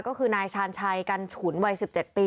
ก็คือนายชาญชัยกันฉุนวัย๑๗ปี